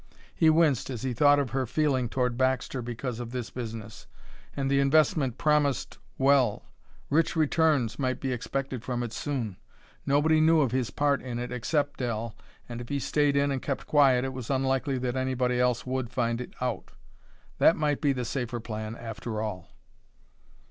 He winced as he thought of her feeling toward Baxter because of this business. And the investment promised well; rich returns might be expected from it soon. Nobody knew of his part in it except Dell, and if he stayed in and kept quiet it was unlikely that anybody else would find it out. That might be the safer plan, after all.